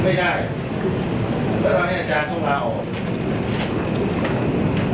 ทำให้อาจารย์ไม่ได้แสดงให้อาจารย์ต้องลาออก